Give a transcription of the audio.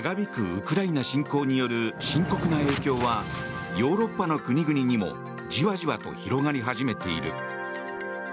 ウクライナ侵攻による深刻な影響はヨーロッパの国々にもじわじわと広がり始めている。